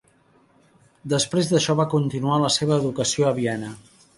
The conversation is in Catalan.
Després d'això va continuar la seva educació a Viena.